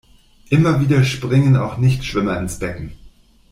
Immer wieder springen auch Nichtschwimmer ins Becken.